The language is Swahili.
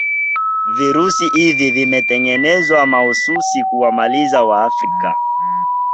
virusi hivi vimetengenezwa mahususi kuwamaliza waafrika